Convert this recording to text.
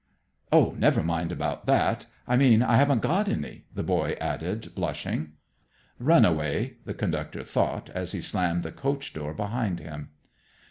"Oh, never mind about that! I mean, I haven't got any," the boy added, blushing. "Run away," the conductor thought, as he slammed the coach door behind him.